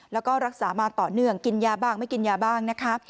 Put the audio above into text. แล้วก็รักษามาต่อเนื่องกินยาบ้างไม่กินยาบ้างนะคะ